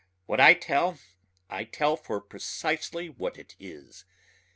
What I tell I tell for precisely what it is.